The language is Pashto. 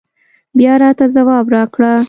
بيا راته ځواب راکړه